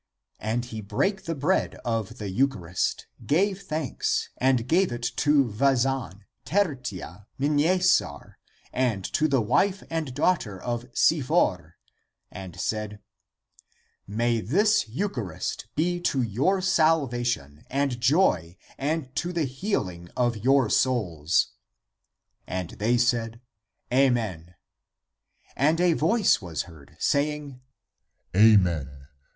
And he brake the bread of the eucharist, gave thanks,^ and gave it to Vazan, Ter tia, Mnesar, and to the wife and daughter of Si for, and said, " May this eucharist be to your salvation and joy and to the heahng of your souls! " And they said, " Amen." And a voice was heard, say ing " Amen.